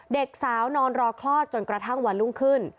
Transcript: เด็กสาวนอนรอคลอดจนกระทั่งวันรุ่งขึ้น